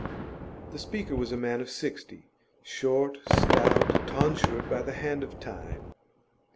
The speaker was a man of sixty, short, stout, tonsured by the hand of time.